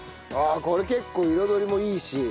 あっこれ結構彩りもいいし。